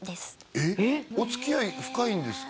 えっお付き合い深いんですか？